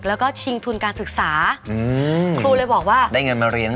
แล้วก็ชิงทุนการศึกษาครูเลยบอกว่าได้เงินมาเรียน